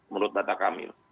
menurut data kami